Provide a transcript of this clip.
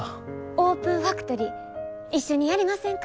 オープンファクトリー一緒にやりませんか？